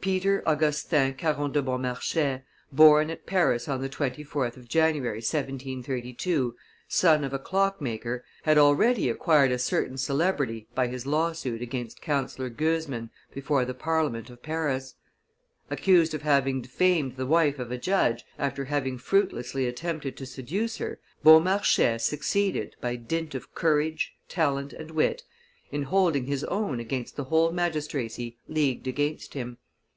Peter Augustin Caron de Beaumarchais, born at Paris on the 24th of January, 1732, son of a clockmaker, had already acquired a certain celebrity by his lawsuit against Councillor Goezman before the parliament of Paris. Accused of having defamed the wife of a judge, after having fruitlessly attempted to seduce her, Beaumarchais succeeded, by dint of courage, talent, and wit, in holding his own against the whole magistracy leagued against him.